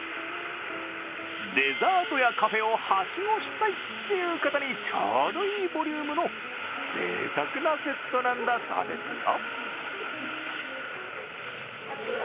デザートやカフェをはしごしたいという方にちょうどいいボリュームのぜいたくなセットなんだそうですよ。